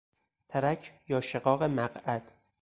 ترک یا شقاق مقعد